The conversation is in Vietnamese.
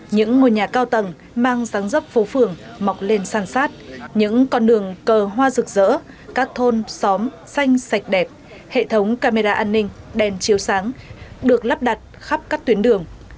những ngôi nhà cao tầng mang dáng dấp phố phường mọc lên san sát những con đường cờ hoa rực rỡ các thôn xóm xanh sạch đẹp hệ thống camera an ninh đèn chiếu sáng được lắp đặt khắp các tuyến đường